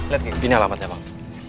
liat nih ini alamatnya bang